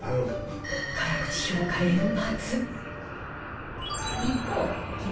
辛口評価連発。